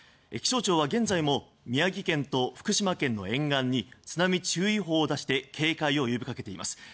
気象庁は現在も宮城県と福島県の沿岸に津波注意報を出して警戒を呼びかけています。